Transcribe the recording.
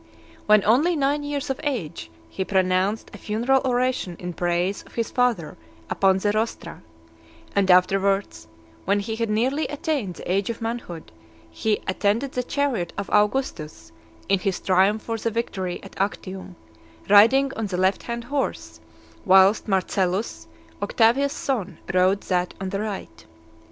When only nine years of age, he pronounced a funeral oration in praise of his father upon the rostra; and afterwards, when he had nearly attained the age of manhood, he attended the chariot of Augustus, in his triumph for the victory at Actium, riding on the left hand horse, whilst Marcellus, Octavia's son, rode that on the right.